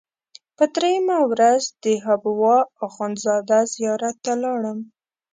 په درېیمه ورځ د حبوا اخندزاده زیارت ته لاړم.